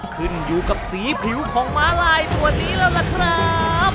ขึ้นอยู่กับสีผิวของม้าลายตัวนี้แล้วล่ะครับ